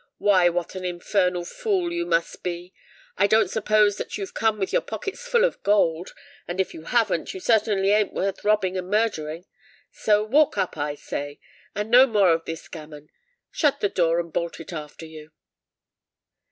"Why, what an infernal fool you must be! I don't suppose that you've come with your pockets full of gold: and, if you haven't, you certainly ain't worth robbing and murdering. So, walk up, I say—and no more of this gammon. Shut the door, and bolt it after you."